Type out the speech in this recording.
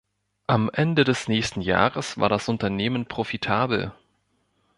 Am Ende des nächsten Jahres war das Unternehmen profitabel.